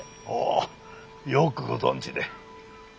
ほうよくご存じで。